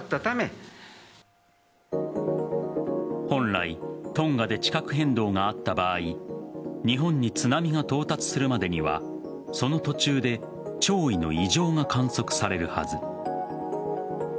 本来、トンガで地殻変動があった場合日本に津波が到達するまでにはその途中で潮位の異常が観測されるはず。